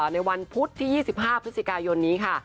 ในวันพุธที่๒๕พฤศจิกายนนี้ค่ะ